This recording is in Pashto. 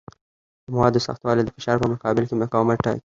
د موادو سختوالی د فشار په مقابل کې مقاومت ټاکي.